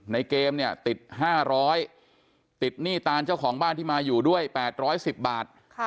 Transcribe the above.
ในเกมเนี่ยติด๕๐๐ติดหนี้ตานเจ้าของบ้านที่มาอยู่ด้วย๘๑๐บาท